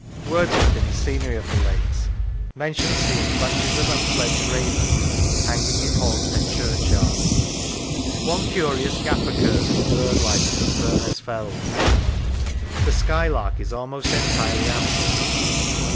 Wordsworth, in his " Scenery of the Lakes," mentions seeing bunches of unfledged ravens hanging in Hawkshead churchyard. One curious gap occurs in the bird life of the Furness Fells. The skylark is almost entirely absent.